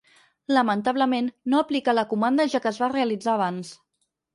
Lamentablement, no aplica a la comanda ja que es va realitzar abans.